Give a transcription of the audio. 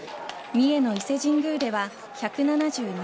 三重の伊勢神宮では１７２％